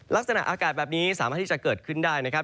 ลักษณะอากาศแบบนี้สามารถที่จะเกิดขึ้นได้นะครับ